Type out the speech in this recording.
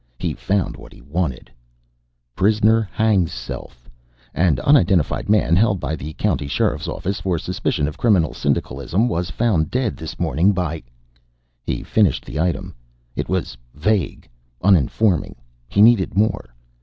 He found what he wanted: PRISONER HANGS SELF An unidentified man, held by the county sheriff's office for suspicion of criminal syndicalism, was found dead this morning, by He finished the item. It was vague, uninforming. He needed more.